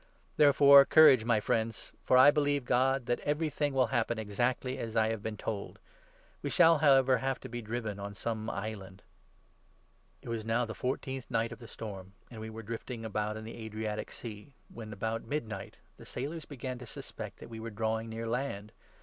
Therefore, courage, my friends ! for I believe God, 25 that everything will happen exactly as I have been told. We 26 shall, however, have to be driven on some island." It was now the fourteenth night of the storm, and we were 27. drifting about in the Adriatic Sea, when, about midnight, the sailors began to suspect that they were drawing near land.